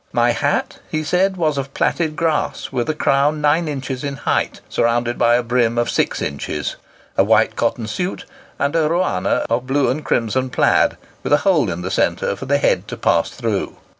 "My hat," he says, "was of plaited grass, with a crown nine inches in height, surrounded by a brim of six inches; a white cotton suit; and a ruana of blue and crimson plaid, with a hole in the centre for the head to pass through.